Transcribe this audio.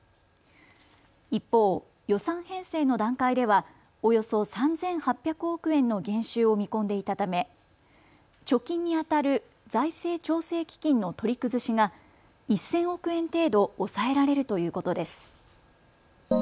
一方、予算編成の段階ではおよそ３８００億円の減収を見込んでいたため貯金にあたる財政調整基金の取り崩しが１０００億円程度抑えられるということです。